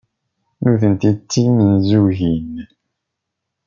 Nitenti d timenzugin.